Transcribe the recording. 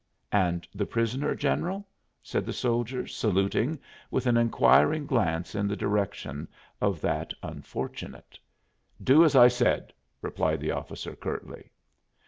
"And the prisoner, General?" said the soldier, saluting, with an inquiring glance in the direction of that unfortunate. "Do as I said," replied the officer, curtly.